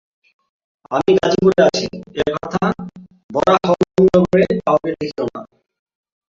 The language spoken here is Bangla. আমি গাজীপুরে আছি, একথা বরাহনগরে কাহাকেও লিখিও না।